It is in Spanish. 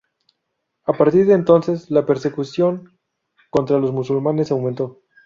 A partir de entonces, la persecución contra los musulmanes aumentó.